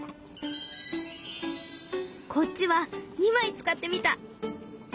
こっちは２枚使ってみた。